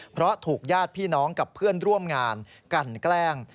เพราะถูกญาติพี่น้องกับเพื่อนร่วมงานกันแกล้ง